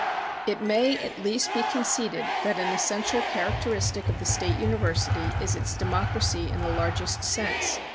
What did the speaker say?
It may at least be conceded that an essential characteristic of the State University is its democracy in the largest sense.